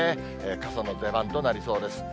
傘の出番となりそうです。